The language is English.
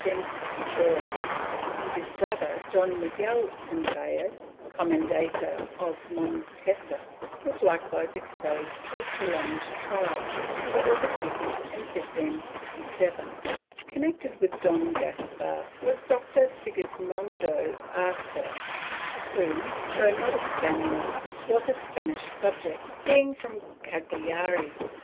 ^ His brother, Don Miguel Centellas, Comendador of Mon tesa, was likewise exposed to a prolonged trial, but was acquitted in 1567.^ Connected with Don Caspar was Doctor Sigismondo Arquer who, though not a Spaniard, was a Spanish subject, being from Caghari.